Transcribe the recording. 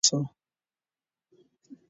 ځانونه تر سپین بولدکه ورسوه.